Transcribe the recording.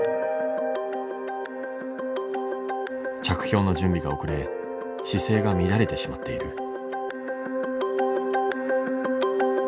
着氷の準備が遅れ姿勢が乱れてしまっている。